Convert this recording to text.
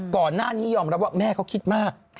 ก่อนหน้านี้ยอมรับว่าแม่เขาคิดมาก